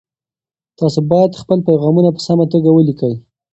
تاسي باید خپل پیغامونه په سمه توګه ولیکئ.